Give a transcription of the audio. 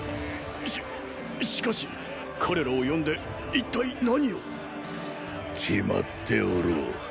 ししかし彼らを呼んで一体何を⁉決まっておろう。